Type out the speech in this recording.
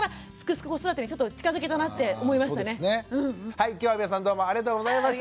はい今日は皆さんどうもありがとうございました。